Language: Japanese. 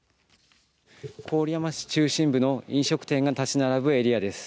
郡山市中心部の飲食店が建ち並ぶエリアです。